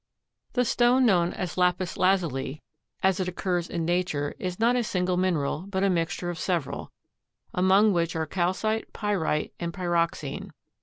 The stone known as lapis lazuli as it occurs in nature is not a single mineral but a mixture of several, among which are calcite, pyrite and pyroxene.